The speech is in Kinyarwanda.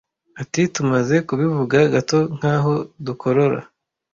ati tumaze kubivuga gato nkaho dukorora